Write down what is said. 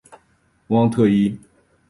旺特伊。